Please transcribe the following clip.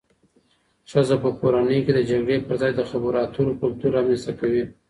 ښځه په کورنۍ کي د جګړې پر ځای د خبرو اترو کلتور رامنځته کوي